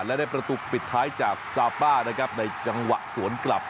และได้ประตูปิดท้ายจากซาป้านะครับในจังหวะสวนกลับ